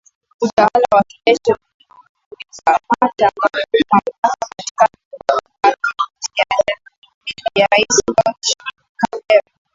Utawala wa kijeshi ulikamata mamlaka katika mapinduzi ya Januari dhidi ya Rais Roch Kabore